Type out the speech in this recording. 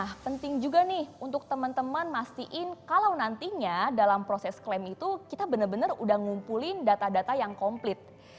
nah penting juga nih untuk teman teman mastiin kalau nantinya dalam proses klaim itu kita benar benar udah ngumpulin data data yang komplit